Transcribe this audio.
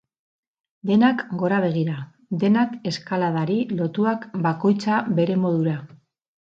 Denak gora begira, denak eskaladari lotuak bakoitza bere modura.